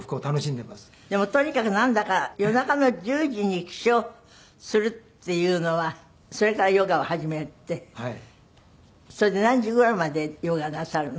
でもとにかくなんだか夜中の１０時に起床するっていうのはそれからヨガを始めてそれで何時頃までヨガなさるの？